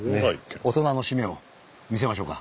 大人のしめを見せましょうか。